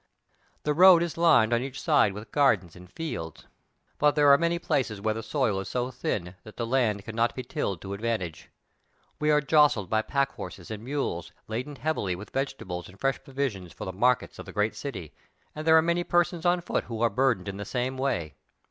The road is lined on each side with gardens and fields, but there are many places where the soil is so thin that the land cannot be tilled to advantage. We are jostled by pack horses and mules laden heavily with vegetables and fresh provisions for the mar kets of the great city, and there are many persons on foot who are burdened in the same way.